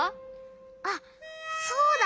あっそうだ！